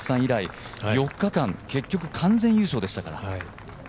４日間、結局完全優勝でしたから。